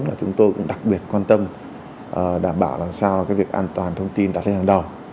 là chúng tôi cũng đặc biệt quan tâm đảm bảo làm sao cái việc an toàn thông tin đặt lên hàng đầu